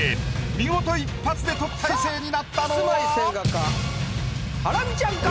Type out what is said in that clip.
見事一発で特待生になったのは⁉ハラミちゃんか？